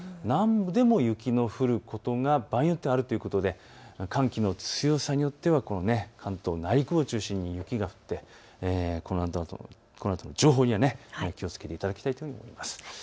南部でも雪の降ることが場合によってあるということで寒気の強さによっては関東内陸部を中心に雪が降ってこのあとの情報には気をつけていただきたいと思います。